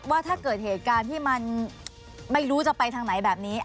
ว่าถ้าเกิดเหตุการณ์ที่มันไม่รู้จะไปทางไหนแบบนี้